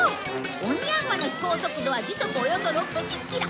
オニヤンマの飛行速度は時速およそ６０キロ。